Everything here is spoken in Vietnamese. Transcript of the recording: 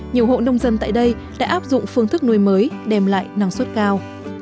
nhiều hộ nông dân tại đây đã áp dụng phương thức nuôi mới đem lại năng suất cao